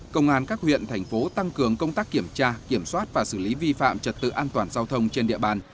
công an các huyện thành phố tăng cường công tác kiểm tra kiểm soát và xử lý vi phạm trật tự an toàn giao thông trên địa bàn